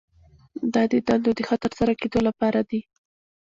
دا د دندو د ښه ترسره کیدو لپاره دي.